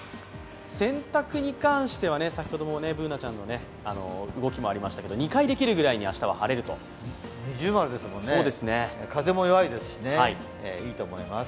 洗濯に関しては、先ほどのＢｏｏｎａちゃんの動きもありましたが２回できるぐらいの明日は晴れると二重丸ですもんね、風も弱いですし、いいと思います。